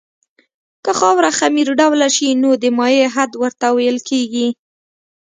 که خاوره خمیر ډوله شي نو د مایع حد ورته ویل کیږي